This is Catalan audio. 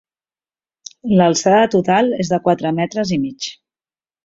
L’alçada total és de quatre metres i mig.